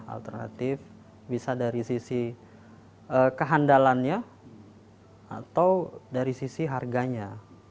alternatif bisa dari sisi kehandalannya atau dari sisi harganya